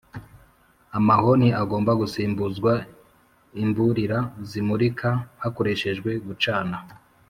amahoni agomba gusimbuzwa imburira zimurika hakoreshejwe gucana